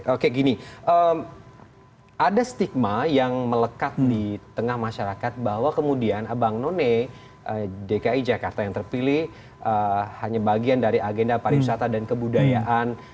oke gini ada stigma yang melekat di tengah masyarakat bahwa kemudian abang none dki jakarta yang terpilih hanya bagian dari agenda pariwisata dan kebudayaan